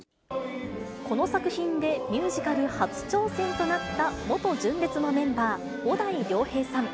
この作品でミュージカル初挑戦となった、元純烈のメンバー、小田井涼平さん。